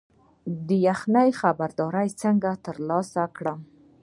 د یخنۍ خبرداری څنګه ترلاسه کړم؟